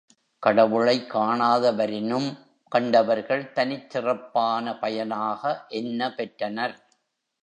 கடவுளைக் காணாதவரினும் கண்டவர்கள் தனிச்சிறப்பான பயனாக என்னபெற்றனர்?